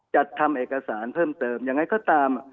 จัดทำเอกสารเพิ่มเติมยังไงก็ตาม